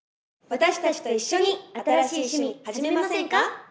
私たちと一緒に新しい趣味はじめませんか？